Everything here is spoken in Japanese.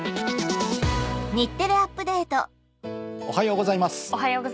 おはようございます。